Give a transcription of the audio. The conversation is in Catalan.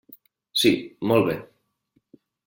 Sí, molt bé.